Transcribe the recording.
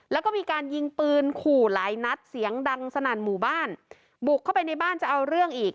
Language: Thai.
แล้วก็มีการยิงปืนขู่หลายนัดเสียงดังสนั่นหมู่บ้านบุกเข้าไปในบ้านจะเอาเรื่องอีก